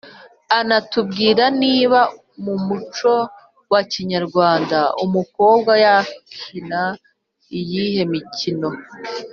anatubwire niba mu muco wa kinyarwanda umukobwa yakina iyihe mikino